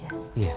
iya gue pindah